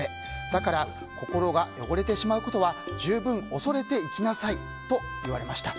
だから、心が汚れてしまうことは十分恐れて生きなさいと言われました。